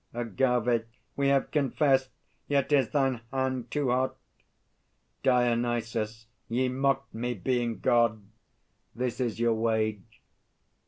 AGAVE. We have confessed. Yet is thine hand too hot. DIONYSUS. Ye mocked me, being God; this is your wage.